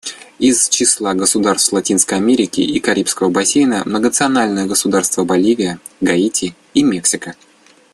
Из числа государств Латинской Америки и Карибского бассейна — Многонациональное Государство Боливия, Гаити и Мексика.